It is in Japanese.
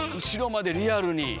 後ろまでリアルに。